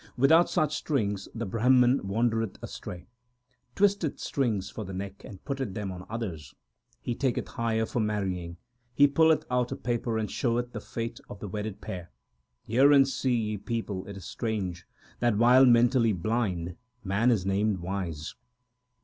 Without such strings the Brahman wandereth astray, Twisteth strings for the neck, and putteth them on others. He taketh hire for marrying ; He pulleth out a paper, and showeth the fate of the wedded pair. 1 Hear and see, ye people, it is strange That, while mentally blind, man is named wise.